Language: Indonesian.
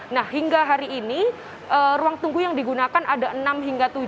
nah hingga hari ini ruang tunggu yang digunakan ada enam hingga tujuh